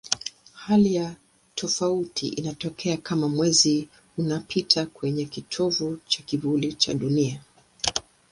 Hali ya tofauti inatokea kama Mwezi unapita kwenye kitovu cha kivuli cha Dunia.